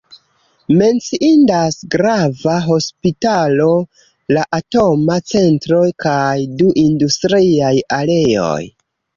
Menciindas grava hospitalo, la atoma centro kaj du industriaj areoj.